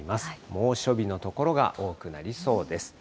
猛暑日の所が多くなりそうです。